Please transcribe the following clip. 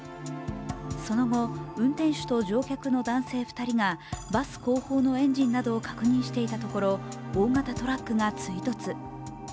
その後、運転手と乗客の男性２人がバス後方のエンジンなどを確認していたところ、大型トラックが追突。